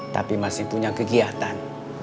tapi masih punya kegiatan